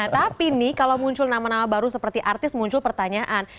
tapi nih kalau muncul nama nama baru seperti artis muncul pertanyaan